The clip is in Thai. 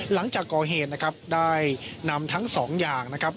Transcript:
หลังจากก่อเหตุนะครับได้นำทั้งสองอย่างนะครับ